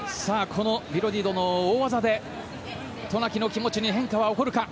ビロディッドの大技で渡名喜の気持ちに変化は起こるか。